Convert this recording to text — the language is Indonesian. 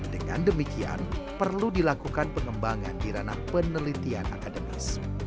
dengan demikian perlu dilakukan pengembangan di ranah penelitian akademis